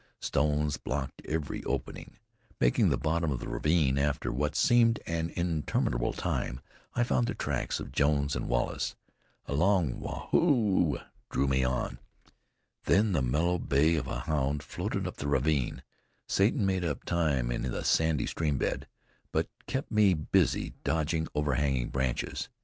Stones blocked every opening. Making the bottom of the ravine after what seemed an interminable time, I found the tracks of Jones and Wallace. A long "Waa hoo!" drew me on; then the mellow bay of a hound floated up the ravine. Satan made up time in the sandy stream bed, but kept me busily dodging overhanging branches.